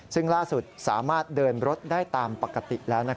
ซึ่งล่าสุดสามารถเดินรถได้ตามปกติแล้ว